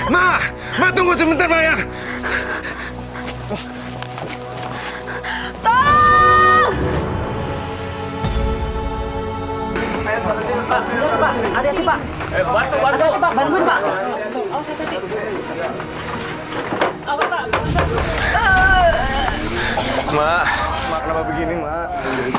mak mak kenapa begini mak